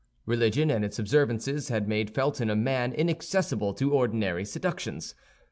Religion and its observances had made Felton a man inaccessible to ordinary seductions.